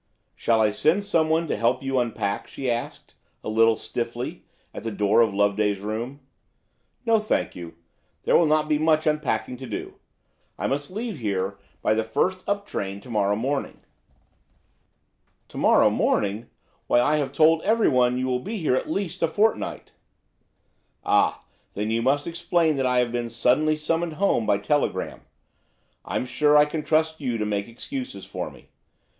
"Shall I send someone to help you unpack?" she asked, a little stiffly, at the door of Loveday's room. "No, thank you; there will not be much unpacking to do. I must leave here by the first up train to morrow morning." "To morrow morning! Why, I have told everyone you will be here at least a fortnight!" "Ah, then you must explain that I have been suddenly summoned home by telegram. I'm sure I can trust you to make excuses for me.